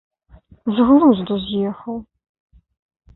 З глузду з ехаў.